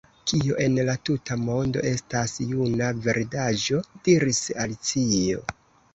"Kio en la tuta mondo estas jena verdaĵo?" diris Alicio.